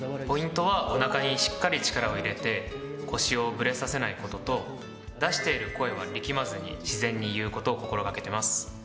ポイントはおなかにしっかり力を入れて腰をブレさせないことと出している声は力まずに自然に言うことを心掛けてます。